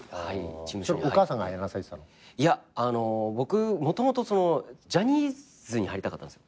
いや僕もともとジャニーズに入りたかったんですよ。